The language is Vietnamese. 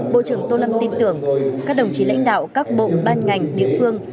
bộ trưởng tô lâm tin tưởng các đồng chí lãnh đạo các bộ ban ngành địa phương